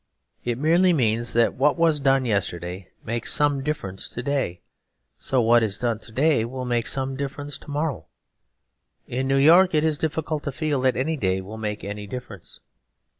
It merely means that as what was done yesterday makes some difference to day, so what is done to day will make some difference to morrow. In New York it is difficult to feel that any day will make any difference.